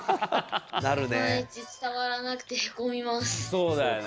そうだよね。